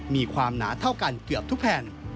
มีความหนาเท่ากันเกือบทุกแผ่น